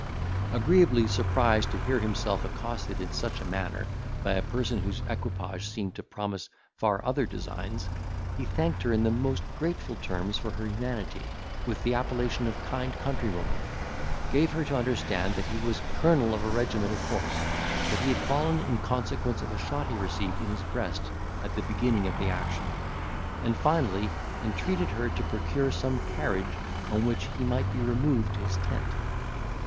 Agreeably surprised to hear himself accosted in such a manner, by a person whose equipage seemed to promise far other designs, he thanked her in the most grateful terms for her humanity, with the appellation of kind countrywoman; gave her to understand that he was colonel of a regiment of horse; that he had fallen in consequence of a shot he received in his breast at the beginning of the action; and, finally, entreated her to procure some carriage on which he might be removed to his tent.